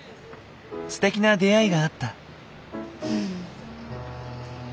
ステキな出会いがあった。